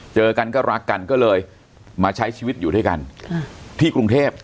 เจอกันก็รักกันก็เลยมาใช้ชีวิตอยู่ด้วยกันที่กรุงเทพ